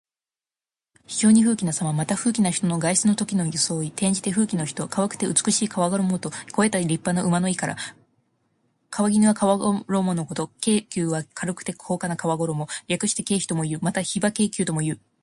非常に富貴なさま。また、富貴な人の外出のときの装い。転じて、富貴の人。軽くて美しい皮ごろもと肥えた立派な馬の意から。「裘」は皮ごろものこと。「軽裘」は軽くて高価な皮ごろも。略して「軽肥」ともいう。また「肥馬軽裘」ともいう。